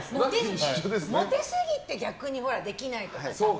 モテすぎて逆にできないとか。